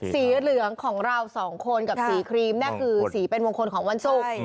สีเหลืองของเรา๒คนสีครีมคือวงคลของวันสุด